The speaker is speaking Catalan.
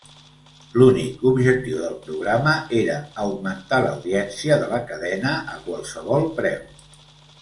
L'únic objectiu del programa era augmentar l'audiència de la cadena a qualsevol preu.